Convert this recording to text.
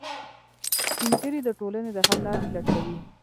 سپین ږیری د ټولنې د حل لارې لټوي